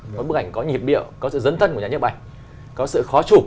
nó là bức ảnh có nhịp điệu có sự dấn thân của nhà nhân áp ảnh có sự khó chụp